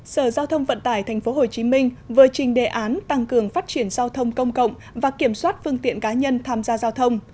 sở giao thông vận tải tp hcm vừa trình đề án tăng cường phát triển giao thông công cộng và kiểm soát phương tiện cá nhân tham gia giao thông